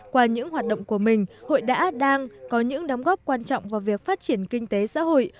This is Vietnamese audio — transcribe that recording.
qua những hoạt động của mình hội đã đang có những đóng góp quan trọng vào việc phát triển kinh tế xã hội